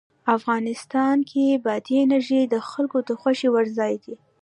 افغانستان کې بادي انرژي د خلکو د خوښې وړ ځای دی.